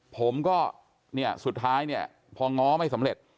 ผมก็เนี่ยสุดท้ายเนี่ยพอง้อไม่สำเร็จ